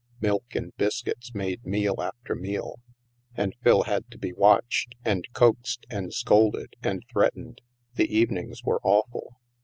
Milk and biscuits made meal after meal. And Phil had to be watched, and coaxed and scolded and threatened. The evenings were awful.